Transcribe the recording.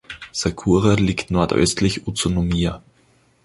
Sakura liegt nordöstlich Utsunomiya.